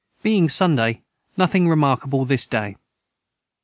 Being Sunday nothing remarkable this day.